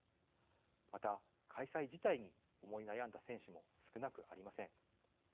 また開催自体に思い悩んだ選手も少なくありません。